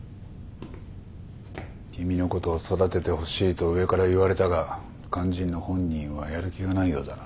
君のことを育ててほしいと上から言われたが肝心の本人はやる気がないようだな。